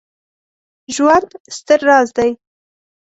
ژوند ستر راز دی